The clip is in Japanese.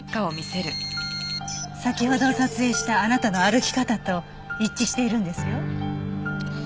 先ほど撮影したあなたの歩き方と一致しているんですよ。